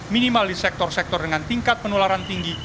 minimal di sektor sektor dengan tingkat penularan tinggi